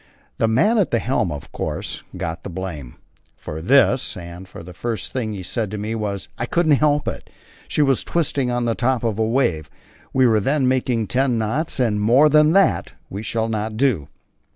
The man at the helm, of course, got the blame for this, and the first thing he said to me was "I couldn't help it, she was twisting on the top of a wave." We were then making ten knots, and more than that we shall not do.